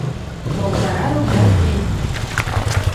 Паўтара рубля ў дзень!